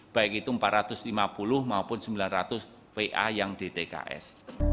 baik itu empat ratus lima puluh maupun sembilan ratus va yang dtks